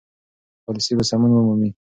پالیسي به سمون ومومي.